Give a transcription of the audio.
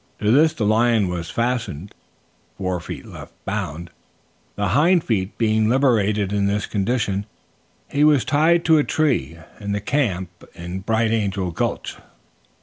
To this the lion was fastened, his forefeet left bound, the hind feet being liberated In this condition he was tied to a tree in the camp in Bright Angel Gulch.